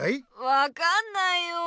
分かんないよ。